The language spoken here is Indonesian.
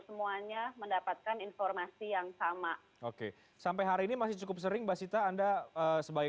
semuanya mendapatkan informasi yang sama oke sampai hari ini masih cukup sering basita anda sebagai